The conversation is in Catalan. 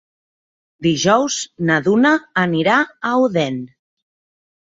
Dijous na Duna anirà a Odèn.